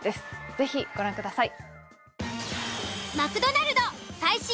是非ご覧ください。